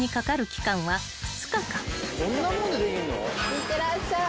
いってらっしゃい。